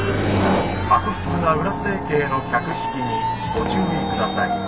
悪質な裏整形の客引きにご注意下さい。